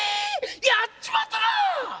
やっちまったな！